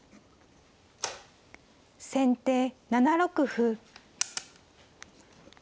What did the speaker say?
先手７六歩。